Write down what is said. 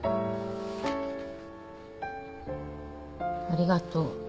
ありがとう。